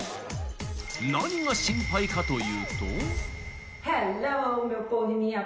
何が心配かというと。